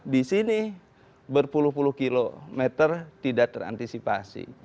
di sini berpuluh puluh kilometer tidak terantisipasi